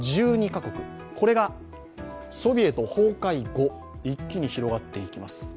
１２カ国、これがソビエト崩壊後、一気に広がっていきます。